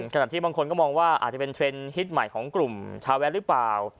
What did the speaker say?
ขณะที่บางคนก็มองว่าอาจจะเป็นเทรนด์ฮิตใหม่ของกลุ่มชาวแวดหรือเปล่า